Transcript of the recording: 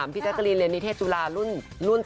๓๒๒๓พี่เจ๊กะลินเรียนนิเทศจุฬาหลุ่น๓๒